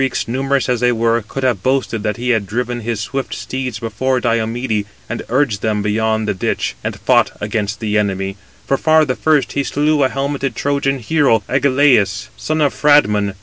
Then none of the Greeks, numerous as they were, could have boasted that he had driven his swift steeds before Diomede, and urged them beyond the ditch, and fought against [the enemy]; for far the first he slew a helmeted Trojan hero, Agelaus, son of Phradmon.